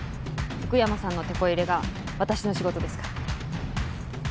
福山さんのてこ入れが私の仕事ですから。